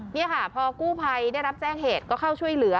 นี่ค่ะพอกู้ภัยได้รับแจ้งเหตุก็เข้าช่วยเหลือ